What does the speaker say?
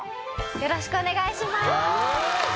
よろしくお願いします。